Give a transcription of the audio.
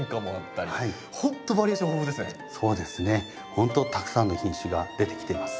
ほんとたくさんの品種が出てきてます。